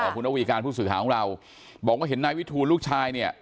คุณอวีการผู้สื่อข่าวของเราบอกว่าเห็นนายวิทูลลูกชายเนี่ย